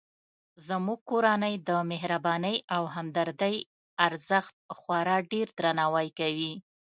زموږ کورنۍ د مهربانۍ او همدردۍ ارزښت خورا ډیردرناوی کوي